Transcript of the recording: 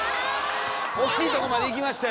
惜しいとこまでいきましたよ！